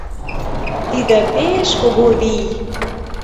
Тиде пеш кугу вий!..